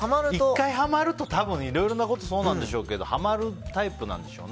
１回ハマると、いろいろなことそうなんでしょうけどハマるタイプなんでしょうね。